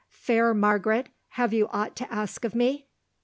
Fair Margaret, have you aught to ask of me?"